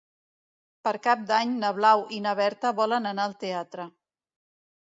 Per Cap d'Any na Blau i na Berta volen anar al teatre.